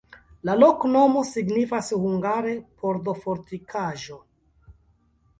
La loknomo signifas hungare: pordo-fortikaĵo.